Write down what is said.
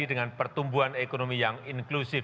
dengan pertumbuhan ekonomi yang inklusif